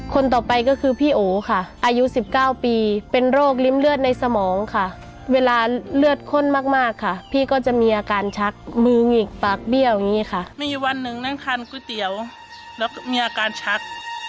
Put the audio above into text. คนต่อไปก็คือพี่โอค่ะอายุ๑๙ปีเป็นโรคริมเลือดในสมองค่ะเวลาเลือดข้นมากมากค่ะพี่ก็จะมีอาการชักมือหงิกปากเบี้ยวอย่างนี้ค่ะมีวันหนึ่งนั่งทานก๋วยเตี๋ยวแล้วก็มีอาการชัก